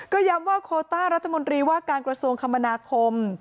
ก็ย้ำว่าโคต้ารัฐมนตรีว่าการกระทรวงคมนาคม